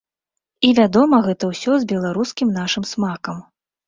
І, вядома, гэта ўсё з беларускім нашым смакам.